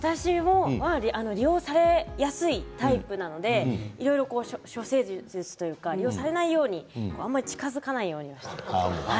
私も利用されやすいタイプなのでいろいろ処世術というか利用されないように近づかないようにはしています。